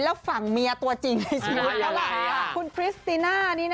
แล้วฝังเมียตัวจริงในชีวิตทั้งหลังคุณคริสตีน่า